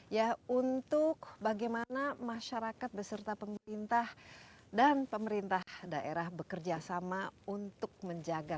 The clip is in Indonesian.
ya untuk bagaimana masyarakat beserta pemerintah dan pemerintah daerah bekerja sama untuk menjaga